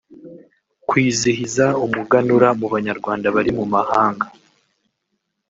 kwizihiza umuganura mu Banyarwanda bari mu mahanga